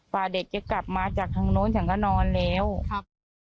ว่าเด็กจะกลับมาจากทางโน้นฉันก็นอนแล้วครับ